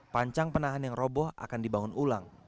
pancang penahan yang roboh akan dibangun ulang